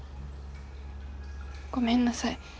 ごめんなさい